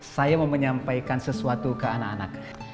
saya mau menyampaikan sesuatu ke anak anak